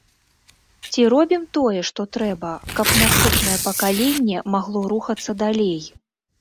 Ці робім тое, што трэба, каб наступнае пакаленне магло рухацца далей?